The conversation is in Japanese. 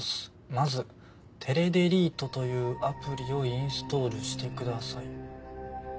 「まずテレデリートというアプリをインストールしてください」